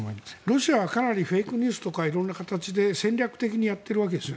ロシアは、かなりフェイクニュースとか色んな形で戦略的にやっているわけですか。